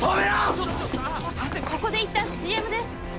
ここでいったんＣＭです。